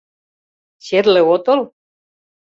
Черле отыл?